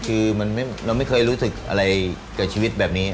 คือเราไม่เคยรู้สึกอะไรกับชีวิตแบบนี้